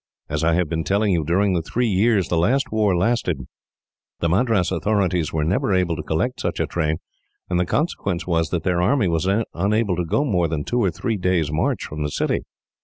As I have been telling you, during the three years the last war lasted, the Madras authorities were never able to collect such a train, and the consequence was that their army was unable to go more than two or three days' march from the city.